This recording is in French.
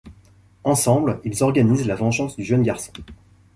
Ensemble, ils organisent la vengeance du jeune garçon...